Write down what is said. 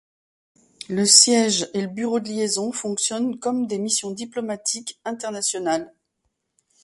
Le siège et le bureau de liaison fonctionnent comme des missions diplomatiques internationales.